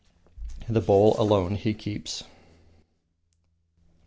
The bowl alone he keeps.